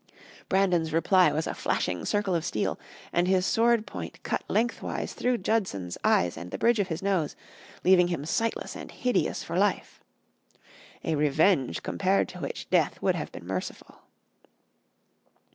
Brandon's reply was a flashing circle of steel, and his sword point cut lengthwise through Judson's eyes and the bridge of his nose, leaving him sightless and hideous for life. A revenge compared to which death would have been merciful.